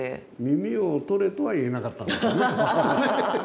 耳を取れとは言えなかったんですねきっとね。